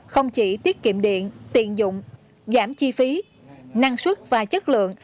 không chỉ tiết kiệm điện tiền dụng giảm chi phí năng suất và chất lượng